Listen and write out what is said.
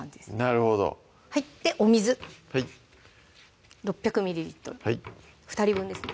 なるほどでお水６００ｍｌ２人分ですね